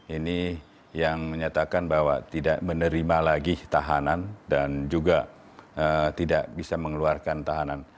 ini yang menyatakan bahwa tidak menerima lagi tahanan dan juga tidak bisa mengeluarkan tahanan